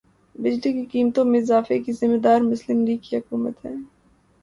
بجلی کی قیمتوں میں اضافے کی ذمہ دار مسلم لیگ کی حکومت ہے